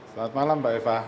selamat malam mbak eva